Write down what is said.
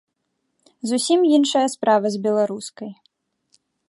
Зусім іншая справа з беларускай.